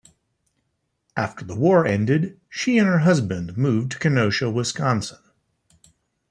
After the war ended, she and her husband moved to Kenosha, Wisconsin.